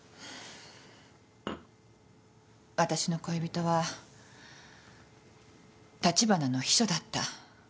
私の恋人は立花の秘書だった。